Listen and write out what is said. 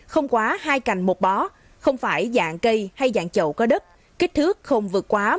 không quá hai cành một bó không phải dạng cây hay dạng chậu có đất kích thước không vượt quá